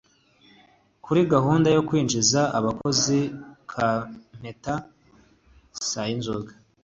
kuri gahunda yo kwinjiza abakozi Kampeta Sayinzoga